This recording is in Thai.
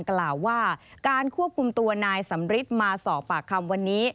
กล่าวว่าการควบคุมตัวนายสำริทมาสอบปากคำวันนี้